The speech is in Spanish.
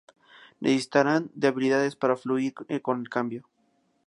Necesitarán de habilidades para fluir con el cambio.